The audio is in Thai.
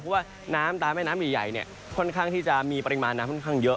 เพราะว่าน้ำตามแม่น้ำใหญ่ค่อนข้างที่จะมีปริมาณน้ำค่อนข้างเยอะ